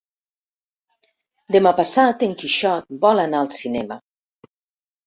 Demà passat en Quixot vol anar al cinema.